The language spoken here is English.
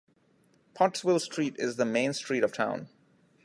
Pottsville Street is the main street of town.